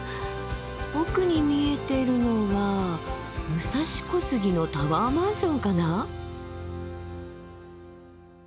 奥に見えてるのは武蔵小杉のタワーマンションかな？